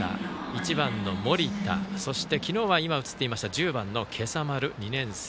１番の盛田、そして昨日は１０番の今朝丸、２年生。